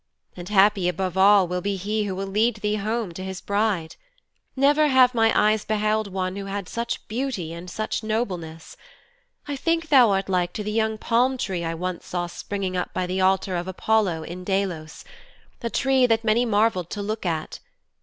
And happy above all will he be who will lead thee to his home as his bride. Never have my eyes beheld one who had such beauty and such nobleness. I think thou art like to the young palm tree I once saw springing up by the altar of Apollo in Delos a tree that many marvelled to look at.